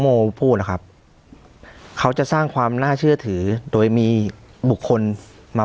โมพูดนะครับเขาจะสร้างความน่าเชื่อถือโดยมีบุคคลมา